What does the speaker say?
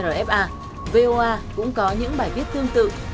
rfa voa cũng có những bài viết tương tự